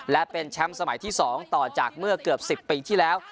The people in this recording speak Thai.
และเป็นแชมป์สมัยที่๒ต่อจากเมื่อเกือบ๑๐ปีที่แล้ว